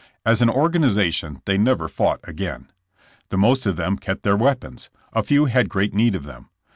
As an organization they never fought again. The most of them kept their weapons; a few had great need of them.